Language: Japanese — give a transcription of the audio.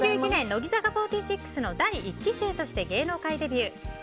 乃木坂４６の第１期生として芸能界デビュー。